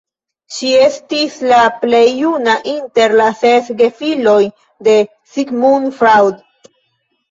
Ŝi estis la plej juna inter la ses gefiloj de Sigmund Freud.